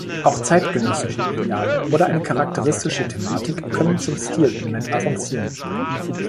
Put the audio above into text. Auch zeitgenössische Ideale oder eine charakteristische Thematik können zum Stilelement avancieren.